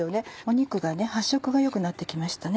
肉が発色が良くなってきましたね。